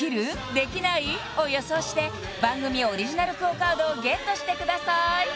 できない？を予想して番組オリジナルＱＵＯカードをＧＥＴしてください